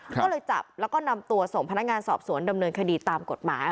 ก็เลยจับแล้วก็นำตัวส่งพนักงานสอบสวนดำเนินคดีตามกฎหมาย